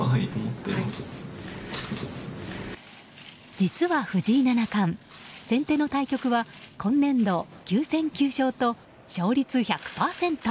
実は藤井七冠先手の対局は今年度９戦９勝と勝率１００％。